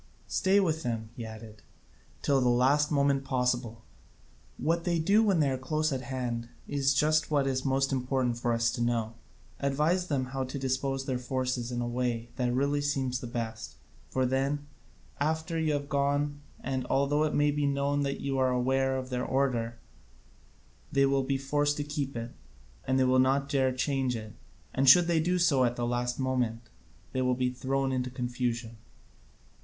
Stay with them," he added, "till the last moment possible: what they do when they are close at hand is just what is most important for us to know. Advise them how to dispose their forces in the way that really seems the best, for then, after you are gone and although it may be known that you are aware of their order, they will be forced to keep to it, they will not dare to change it, and should they do so at the last moment they will be thrown into confusion."